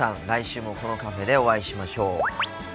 来週もこのカフェでお会いしましょう。